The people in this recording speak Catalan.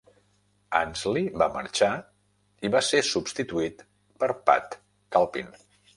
Ansley va marxar i va ser substituït per Pat Calpin.